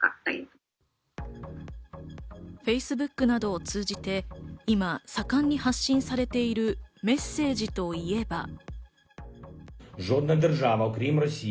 Ｆａｃｅｂｏｏｋなどを通じて今、盛んに発信されているメッセージといえば。